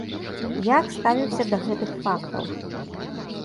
Як ставіўся да гэтых фактаў?